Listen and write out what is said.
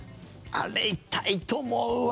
あれ、痛いと思うわ。